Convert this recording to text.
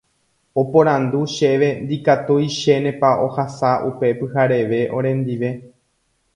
Oporandu chéve ndikatuichénepa ohasa upe pyhareve orendive.